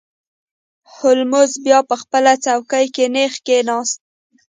هولمز بیا په خپله څوکۍ کې نیغ کښیناست.